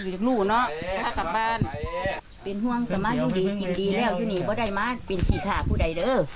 อยู่นี่ไม่ได้มาเป็นสี่ขาคู่ใดเด้อ